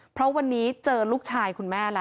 เพราะวันนี้เจอลูกชายคุณแม่แล้ว